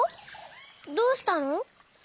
どうしたの？